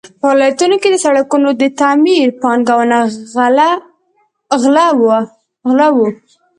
په ولایتونو کې د سړکونو د تعمیر پانګو غله وو.